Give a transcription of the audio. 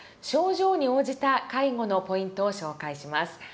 症状に応じた介護のポイントを紹介します。